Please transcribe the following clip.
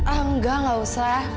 enggak gak usah